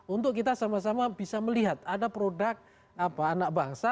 untuk kita sama sama bisa melihat ada produk anak bangsa